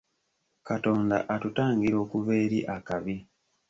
Katonda atutangira okuva eri akabi.